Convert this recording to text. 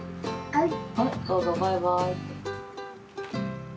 はい。